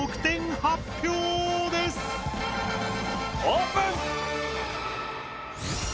オープン！